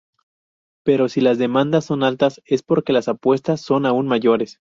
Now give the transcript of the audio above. Pero si las demandas son altas, es porque las apuestas son aún mayores.